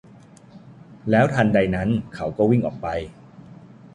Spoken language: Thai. แล้วทันใดนั้นเขาก็วิ่งออกไป